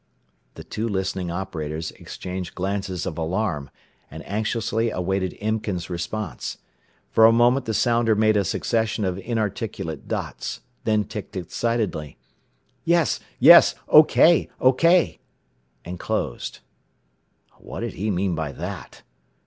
The two listening operators exchanged glances of alarm, and anxiously awaited Imken's response. For a moment the sounder made a succession of inarticulate dots, then ticked excitedly, "Yes, yes! OK! OK!" and closed. "What did he mean by that?"